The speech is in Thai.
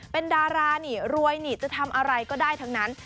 เป็นดารานี่รวยนี่จะทำอะไรก็ได้ทั้งนั้น